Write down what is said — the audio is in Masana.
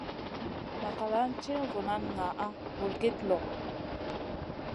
Makalan ti vunan ŋaʼa vulgit lõ.